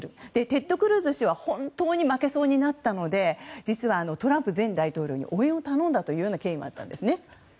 テッド・クルーズ氏は本当に負けそうになったので実は、トランプ前大統領に応援を頼んだという経緯もあったんですね。